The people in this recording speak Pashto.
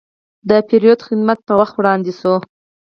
د پیرود خدمت په وخت وړاندې شو.